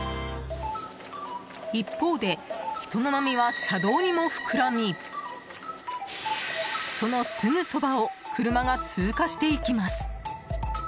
一方で、人の波は車道にも膨らみそのすぐそばを車が通過していきます。